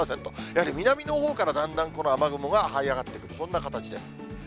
やはり南のほうから、だんだん雨雲がはい上がってくる、そんな形です。